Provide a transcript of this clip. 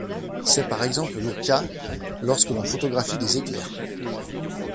C'est par exemple le cas lorsque l'on photographie des éclairs.